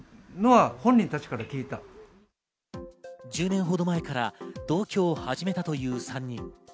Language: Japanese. １０年ほど前から同居を始めたという３人。